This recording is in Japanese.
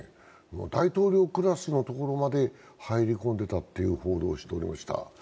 大統領クラスのところにまで入り込んでいたと報道していました。